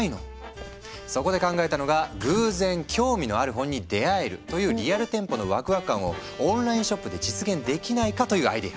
そこで考えたのが偶然興味のある本に出会えるというリアル店舗のワクワク感をオンラインショップで実現できないかというアイデア。